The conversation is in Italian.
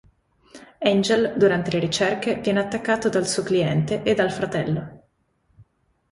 Angel, durante le ricerche, viene attaccato dal suo cliente e dal fratello.